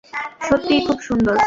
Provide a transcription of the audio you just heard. সত্যিই, খুব সুন্দর।